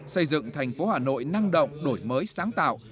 xây dựng thành phố hà nội năng động đổi mới sáng tạo